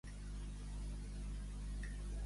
Nosaltres volem a Catalunya dins d'Espanya.